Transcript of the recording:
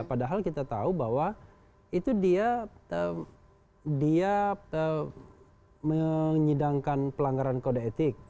padahal kita tahu bahwa itu dia menyidangkan pelanggaran kode etik